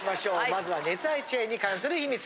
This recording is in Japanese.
まずは熱愛チェーンに関する秘密。